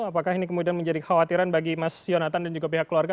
apakah ini kemudian menjadi kekhawatiran bagi mas yonatan dan juga pihak keluarga